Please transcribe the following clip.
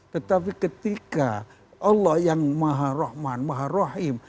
tetapi ketika allah yang maharohman maharohim